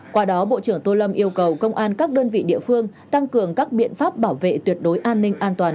qua đó bộ trưởng tô lâm yêu cầu công an các đơn vị địa phương tăng cường các biện pháp bảo vệ tuyệt đối an ninh an toàn